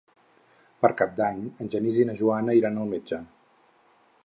Per Cap d'Any en Genís i na Joana iran al metge.